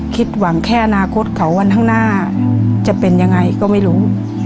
คิดหวังแค่อนาคตเขาวันข้างหน้าจะเป็นยังไงก็ไม่รู้